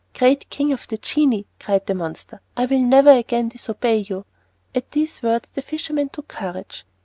"Great king of the genii," cried the monster, "I will never again disobey you!" At these words the fisherman took courage.